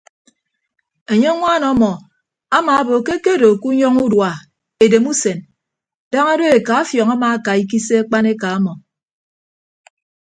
Enye ñwaan ọmmọ amaabo ke akedo ke unyọñọ udua edem usen daña do eka afiọñ amaaka ikise akpaneka ọmọ.